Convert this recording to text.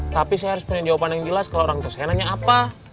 tapi saya harus punya jawaban yang jelas kalau orang tua saya nanya apa